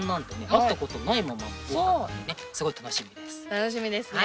楽しみですね。